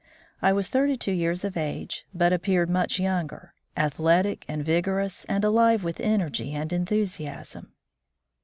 I was thirty two years of age, but appeared much younger, athletic and vigorous, and alive with energy and enthusiasm.